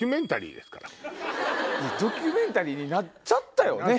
ドキュメンタリーになったよね。